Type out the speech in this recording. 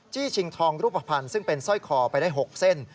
ชิงทองรูปภัณฑ์ซึ่งเป็นสร้อยคอไปได้๖เส้น